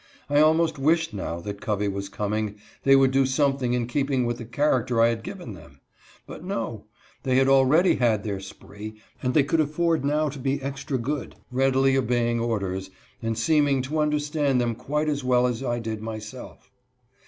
I almost wished, now that Covey was coming, they would do something in keeping with the character I had given them; but no, they had already had their spree, and they could afford now to be extra good, readily obey ing orders, and seeming to understand them quite as well as I did myself.